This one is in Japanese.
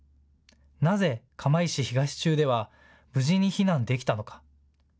なぜ釜石東中では無事に避難できたのか。